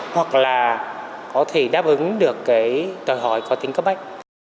hoặc là có thể đáp ứng được tòi hỏi có tính cấp bách